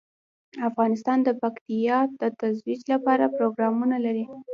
افغانستان د پکتیا د ترویج لپاره پروګرامونه لري.